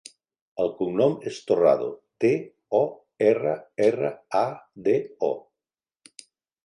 El cognom és Torrado: te, o, erra, erra, a, de, o.